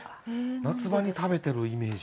夏場に食べてるイメージ。